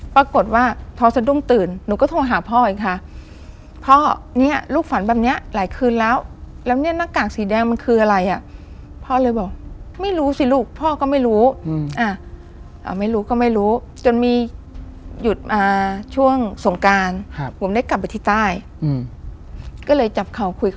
ปรากฏว่าพอสะดุ้งตื่นหนูก็โทรหาพ่ออีกค่ะ